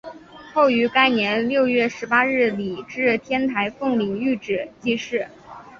后于该年六月十八日礼置天台奉领玉旨济世。